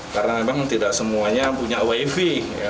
karena memang tidak semuanya punya wifi